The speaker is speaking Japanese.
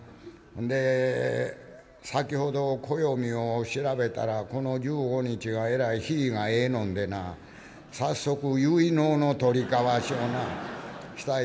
で先程暦を調べたらこの１５日がえらい日がええのんでな早速結納の取り交わしをなしたい」。